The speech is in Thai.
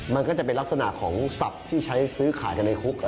มันก็จะเป็นลักษณะของศัพท์ที่ใช้ซื้อขายกันในคุก